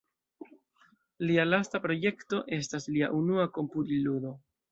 Lia lasta projekto estas lia unua komputil-ludo!